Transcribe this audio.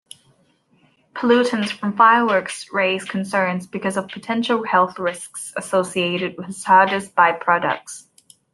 Pollutants from fireworks raise concerns because of potential health risks associated with hazardous by-products.